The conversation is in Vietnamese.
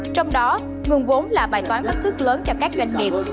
trong đó nguồn vốn là bài toán thách thức lớn cho các doanh nghiệp